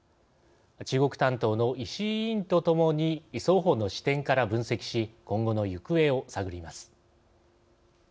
中国担当の石井委員とともに双方の視点から分析し今後の行方を探ります。